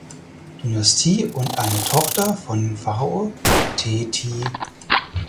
Dynastie und eine Tochter von Pharao Teti.